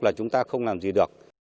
là chúng ta không làm gì được